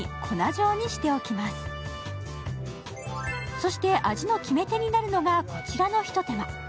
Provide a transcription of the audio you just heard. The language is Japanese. そして味の決め手になるのが、こちらのひと手間。